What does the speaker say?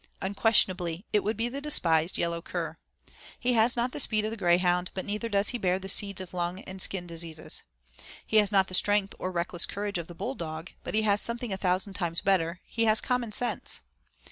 Unquestionably it would be the despised yellow cur. He has not the speed of the greyhound, but neither does he bear the seeds of lung and skin diseases. He has not the strength or reckless courage of the bulldog, but he has something a thousand times better, he has common sense.